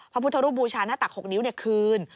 พระพุทธรูปบูชาหน้าตัก๖นิ้วคืน